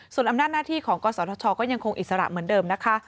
ส่วนอำนาจหน้าที่ของกศธชก็ยังคงอิสระเหมือนเดิมนะคะ